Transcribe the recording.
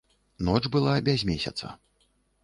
Ноч была без месяца.